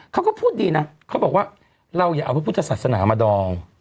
เขาก็พูดดีนะเขาบอกว่าเราอย่าเอาพระพุทธศาสนามาดอง